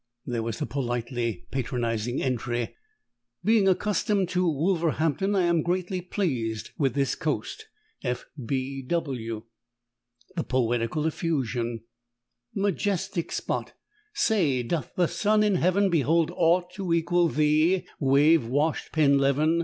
_ There was the politely patronising entry: Being accustomed to Wolverhampton, I am greatly pleased with this coast. F. B. W. The poetical effusion: _Majestic spot! Say, doth the sun in heaven Behold aught to equal thee, wave washed Penleven?